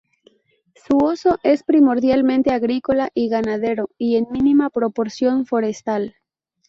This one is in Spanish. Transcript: Su uso es primordialmente agrícola y ganadero y en mínima proporción forestal.